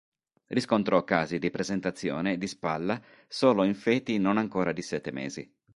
Riscontrò casi di presentazione di spalla solo in feti non ancora di sette mesi.